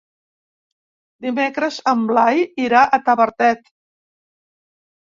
Dimecres en Blai irà a Tavertet.